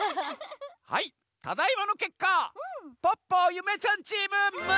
はいただいまのけっかポッポゆめちゃんチーム６つせいかい！